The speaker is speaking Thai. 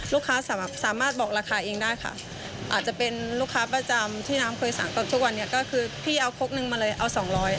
ลูกค้าสามารถบอกราคาเองได้ค่ะอาจจะเป็นลูกค้าประจำที่น้ำเคยสั่งกับทุกวันนี้ก็คือพี่เอาครกนึงมาเลยเอาสองร้อย